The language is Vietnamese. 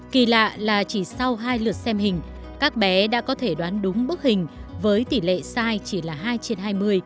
kỳ lạ là chỉ sau hai lượt xem hình các bé đã có thể đoán đúng bức hình với tỷ lệ sai chỉ là hai trên hai mươi